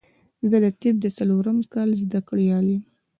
زه د طب د څلورم کال زده کړيال يم